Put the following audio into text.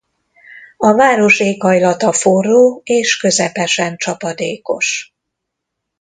A város éghajlata forró és közepesen csapadékos.